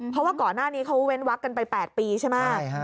เพราะว่าก่อนหน้านี้เขาเว้นวักกันไป๘ปีใช่ไหม